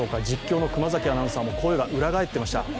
実況の熊崎アナウンサーも声が裏返っていました。